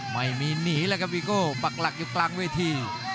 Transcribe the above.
ไม่มีหนีแล้วครับวีโก้ปักหลักอยู่กลางเวที